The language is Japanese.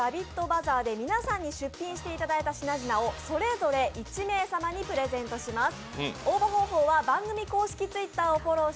バザーで皆さんに出品していただいた品々をそれぞれ１名様にプレゼントします